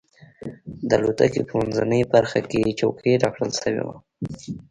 د الوتکې په منځۍ برخه کې چوکۍ راکړل شوې وه.